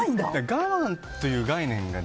我慢という概念が。